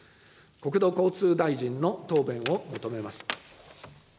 国土交通大臣の答弁を求めます。